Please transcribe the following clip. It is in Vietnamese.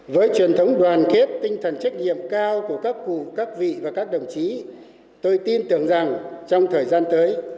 với truyền thống đoàn kết tinh thần trách nhiệm cao của các cụ các vị và các đồng chí tôi tin tưởng rằng trong thời gian tới